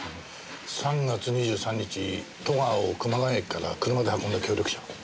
３月２３日戸川を熊谷駅から車で運んだ協力者。